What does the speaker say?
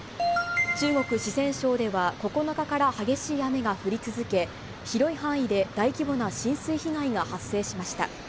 中国・四川省では、９日から激しい雨が降り続け、広い範囲で大規模な浸水被害が発生しました。